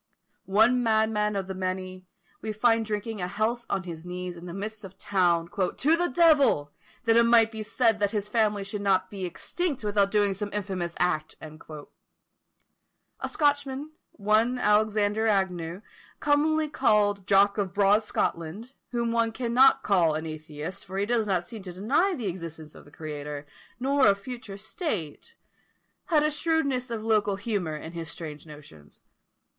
One madman of the many, we find drinking a health on his knees, in the midst of a town, "to the devil! that it might be said that his family should not be extinct without doing some infamous act." A Scotchman, one Alexander Agnew, commonly called "Jock of broad Scotland," whom one cannot call an atheist, for he does not seem to deny the existence of the Creator, nor a future state, had a shrewdness of local humour in his strange notions.